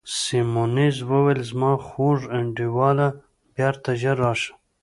سیمونز وویل: زما خوږ انډیواله، بیرته ژر راشه.